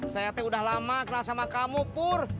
saya teh udah lama kenal sama kamu pur